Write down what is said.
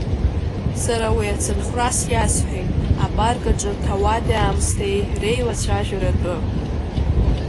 Сара уи ацынхәрас иасҳәеит апарк аҿы ҭауади-аамсҭеи реилацәажәара атәы.